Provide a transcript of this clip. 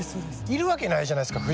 いないじゃないですか。